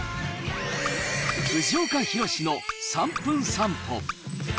藤岡弘、の３分散歩。